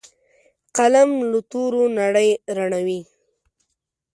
قلم له تورو نړۍ رڼوي